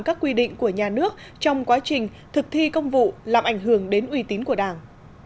các quy định của nhà nước trong quá trình thực thi công vụ làm ảnh hưởng đến uy tín của đảng